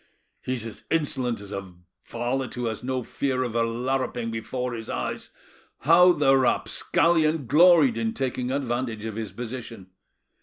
"He's as insolent as a varlet who has no fear of a larruping before his eyes: how the rapscallion gloried in taking advantage of his position!